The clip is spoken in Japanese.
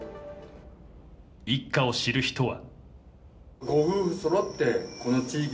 一家を知る人は。